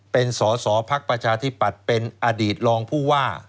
เป็นสอสอพักประชาธิปัตย์เป็นอดีตรองผู้ว่า